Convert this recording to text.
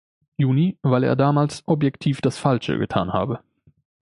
Juni,“ weil er damals „objektiv das Falsche“ getan habe.